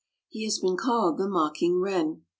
He has been called the mocking wren.